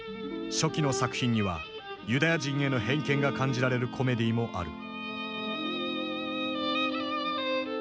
初期の作品にはユダヤ人への偏見が感じられるコメディーもある。